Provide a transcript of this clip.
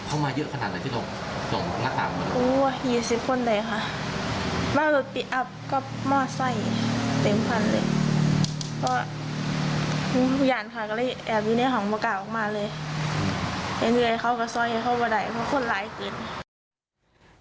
เห็นไงเขากับซ้อยเห็นเข้าไปไหนเพราะคนร้ายกิน